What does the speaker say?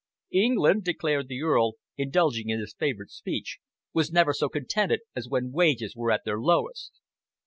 "England," declared the Earl, indulging in his favourite speech, "was never so contented as when wages were at their lowest."